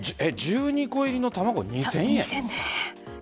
１２個入りの卵で２０００円。